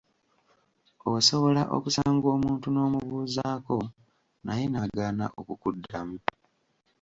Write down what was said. Osobola okusanga omuntu n’omubuuzaako naye n'agaana okukuddamu.